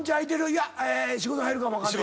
いや仕事入るかもわかんない。